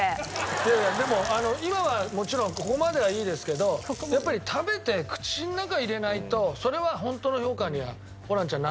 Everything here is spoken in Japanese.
いやいやでも今はもちろんここまではいいですけどやっぱり食べて口の中入れないとそれは本当の評価にはホランちゃんならないと思いますよ。